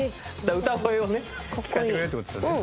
歌声をね聴かせてくれるって事ですよね。